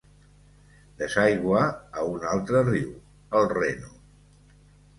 Desaigua a un altre riu, el Reno.